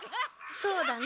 そうだね。